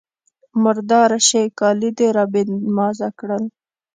_مرداره شې! کالي دې را بې نمازه کړل.